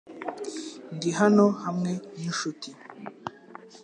Ndi hano hamwe ninshuti .